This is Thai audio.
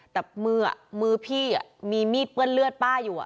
แต่มือพี่มีมีดเปื้อนเลือดป้าอยู่